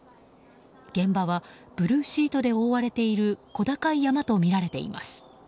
現場はブルーシートで覆われている小高い山とみられています。